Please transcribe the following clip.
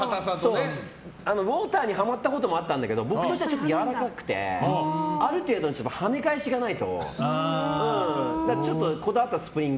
ウォーターにハマったこともあったけどちょっとやわらかくてある程度、跳ね返しがないと。